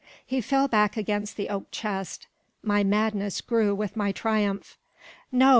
He fell back against the oak chest. My madness grew with my triumph. "No.